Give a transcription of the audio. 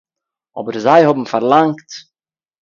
אָבער זיי האָבן פאַרלאַנגט